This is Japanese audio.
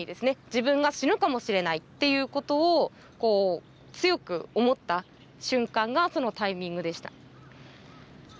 自分が死ぬかもしれないっていうことを強く思った瞬間がそのタイミングでした。